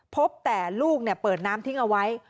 พบแต่ลูกเปิดน้ำทิ้งเอาไว้